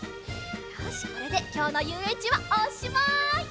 よしこれできょうのゆうえんちはおしまい！